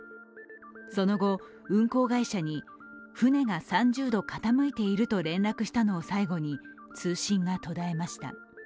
その後、運航会社に船が３０度傾いていると連絡したのを最後に通信が途絶えました。